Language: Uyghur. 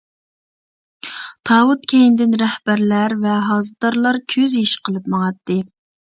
تاۋۇت كەينىدىن رەھبەرلەر ۋە ھازىدارلار كۆز يېشى قىلىپ ماڭاتتى.